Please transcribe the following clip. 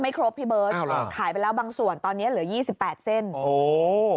ไม่ครบพี่เบิร์ตขายไปแล้วบางส่วนตอนนี้เหลือ๒๘เส้นโอ้โห